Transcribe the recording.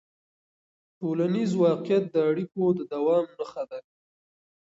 ټولنیز واقیعت د اړیکو د دوام نښه ده.